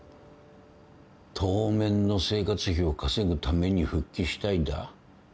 当面の生活費を稼ぐために復帰したいだ？